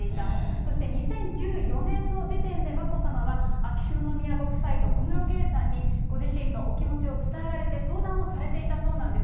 そして２０１４年の時点で、眞子さまは、秋篠宮ご夫妻と小室圭さんに、ご自身のお気持ちを伝えられて、相談をされていたそうなんです。